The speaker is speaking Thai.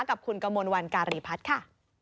กับคุณกมลวันการีพัฒน์ค่ะ